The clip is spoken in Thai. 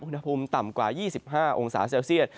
อุณหภูมิต่ำกว่า๒๕องศาเซลเซียต